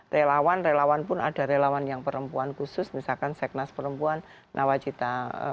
relawan relawan pun ada relawan yang perempuan khusus misalkan seknas perempuan nawacita